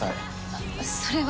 あっそれは。